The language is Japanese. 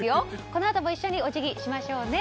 このあとも一緒にお辞儀しましょうね。